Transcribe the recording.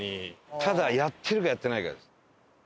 ただやってるかやってないかです。